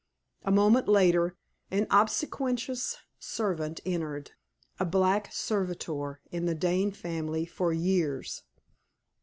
A moment later, an obsequious servant entered a black servitor in the Dane family for years.